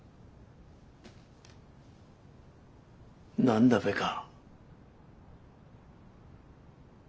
何だべか？